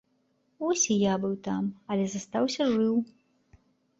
Вось і я быў там, але застаўся жыў.